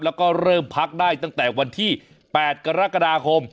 แล้วก็เริ่มพักได้ตั้งแต่วันที่๘กรกฎาคม